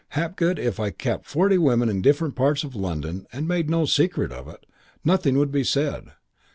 Hapgood, if I kept forty women in different parts of London and made no secret of it, nothing would be said.